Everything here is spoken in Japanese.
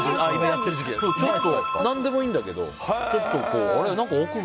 何でもいいんだけど。